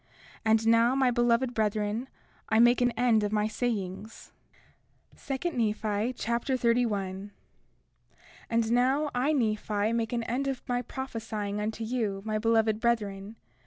And now, my beloved brethren, I make an end of my sayings. 2 Nephi Chapter 31 31:1 And now I, Nephi, make an end of my prophesying unto you, my beloved brethren.